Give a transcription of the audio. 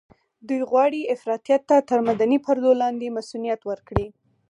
دوی غواړي افراطيت ته تر مدني پردو لاندې مصؤنيت ورکړي.